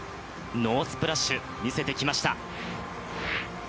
ノースプラッシュ見せてきました。